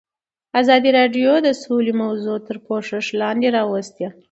ازادي راډیو د سوله موضوع تر پوښښ لاندې راوستې.